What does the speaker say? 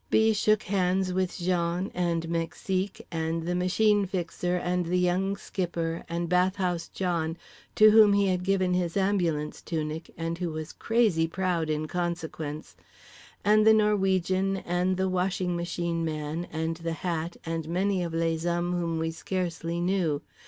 —B. shook hands with Jean and Mexique and the Machine Fixer and the Young Skipper, and Bathhouse John (to whom he had given his ambulance tunic, and who was crazy proud in consequence) and the Norwegian and the Washing Machine Man and The Hat and many of les hommes whom we scarcely knew.